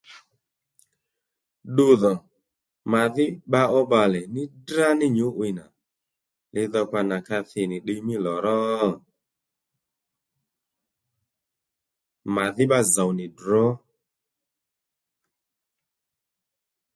Ddudhò mà dhí bba ó bbalè ní ddrá ní nyǔ'wiy nà li dhokpa nà ka thi nì ddiy mí lò ró mà dhí bbá zòw nì ddrǒ